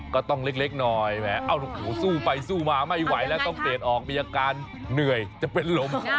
ก็ต้องเล็กหน่อยแม้เอาโหสู้ไปสู้มาไม่ไหวแล้วมีอาการเหนื่อยจะเป็นลม